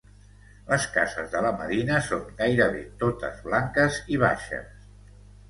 Les cases de la medina són gairebé totes blanques i baixes.